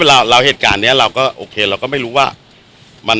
แล้วคราวนี้เหตุการณ์เราก็โอเคเราก็ไม่รู้ว่า